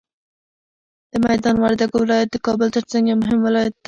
د میدان وردګو ولایت د کابل تر څنګ یو مهم ولایت دی.